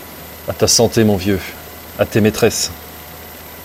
À ta santé, mon vieux !… à tes maîtresses !…